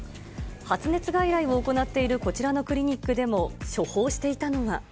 発熱外来を行っているこちらのクリニックでも処方していたのは。